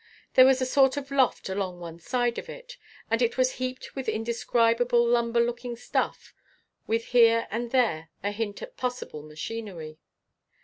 There was a sort of loft along one side of it, and it was heaped with indescribable lumber looking stuff with here and there a hint at possible machinery.